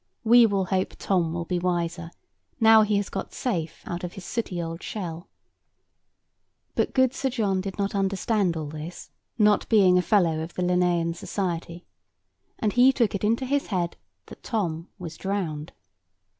We will hope Tom will be wiser, now he has got safe out of his sooty old shell. [Picture: Collage of events] But good Sir John did not understand all this, not being a fellow of the Linnæan Society; and he took it into his head that Tom was drowned.